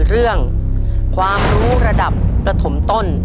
เรื่องความรู้ระดับประถมต้น